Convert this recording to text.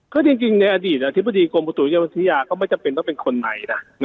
ก็จริงในอดีตอธิบดีกรมประตูนิยมวิทยาก็ไม่จำเป็นต้องเป็นคนใหม่นะ